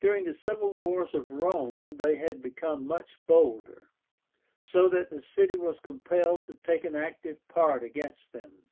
During the civil wars of Rome they had become much bolder, so that the city was compelled to take an active part against them.